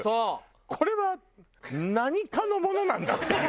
これは何科のものなんだ？っていう。